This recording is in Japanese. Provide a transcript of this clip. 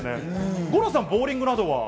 五郎さんはボウリングなどは？